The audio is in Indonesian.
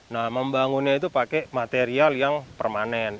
nah membangunnya itu pakai material yang permanen